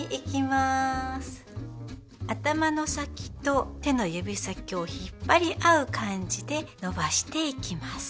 頭の先と手の指先を引っ張り合う感じで伸ばしていきます。